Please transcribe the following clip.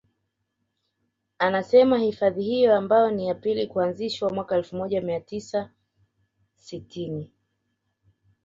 Anasema hifadhi hiyo ambayo ni ya pili kuanzishwa mwaka elfu moja mia tisa sitini